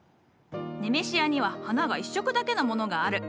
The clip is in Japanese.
ネメシアには花が１色だけのものがある。